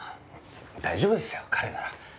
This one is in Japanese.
大丈夫ですよ彼なら。